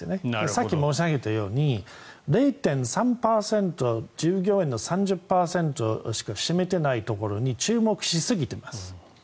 さっき申し上げたように０．３％、従業員の３０％しか占めていないところに注目しすぎています。